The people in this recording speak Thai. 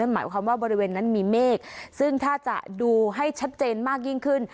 หมายความว่าบริเวณนั้นมีเมฆซึ่งถ้าจะดูให้ชัดเจนมากยิ่งขึ้น